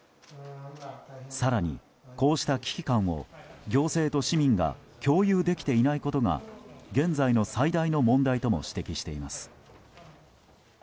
更に、こうした危機感を行政と市民が共有できていないことが現在の最大の問題とも指摘しています。